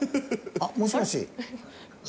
あっもしもし。